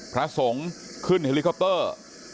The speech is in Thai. พระสงฆ์ขึ้นเฮลิคอปเตอร์